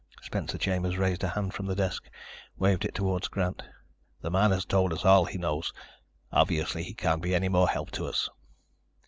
Spencer Chambers raised a hand from the desk, waved it toward Grant. "The man has told us all he knows. Obviously, he can't be any more help to us."